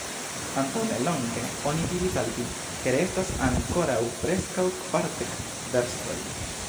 Antaŭnelonge oni diris al vi, ke restas ankoraŭ preskaŭ kvardek verstoj.